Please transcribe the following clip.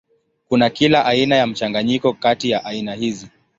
Kuna kila aina ya mchanganyiko kati ya aina hizi.